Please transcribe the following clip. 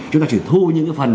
chúng ta chỉ thu những cái phần